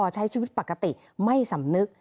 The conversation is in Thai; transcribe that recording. ใช้ชีวิตปกติไม่สำนึก